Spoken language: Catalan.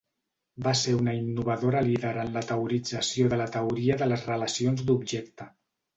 Va ser una innovadora líder en la teorització de la teoria de les relacions d'objecte.